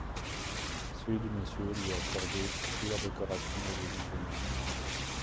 sud Monsieur lui a accordé plusieurs décorations de la légion d'honneur.